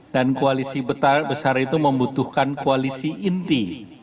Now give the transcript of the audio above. dan koalisi besar itu membutuhkan koalisi inti